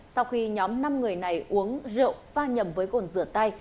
sau khi nhóm năm người này uống rượu pha nhầm với cồn rửa tay